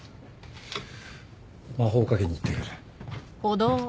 魔法をかけに行ってくる。